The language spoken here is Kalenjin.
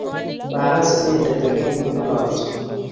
Magaas inendet olekigingololji